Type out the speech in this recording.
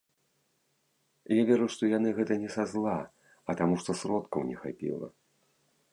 Я веру, што яны гэта не са зла, а таму што сродкаў не хапіла.